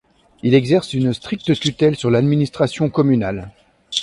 Il exerce une stricte tutelle sur l'administration communale.